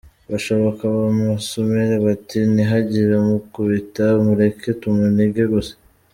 Bashoka bamusumira bati “ Ntihagire umukubita ,mureke tumunige gusa”.